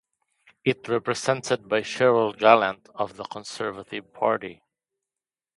It is represented by Cheryl Gallant of the Conservative Party.